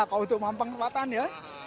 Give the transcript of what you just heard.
kalau untuk mampang kekuatan ya